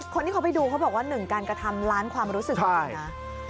คนที่เขาไปดูเขาบอกว่าหนึ่งการกระทำล้านความรู้สึกจริงนะ